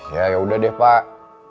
ya yaudah deh pak